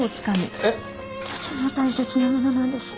とても大切な物なんです。